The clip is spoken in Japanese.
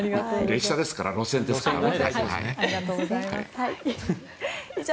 列車ですから路線ですね。